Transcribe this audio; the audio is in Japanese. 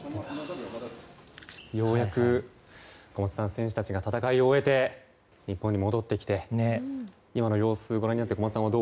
ようやく、選手たちが戦いを終えて日本に戻ってきて今の様子をご覧になって。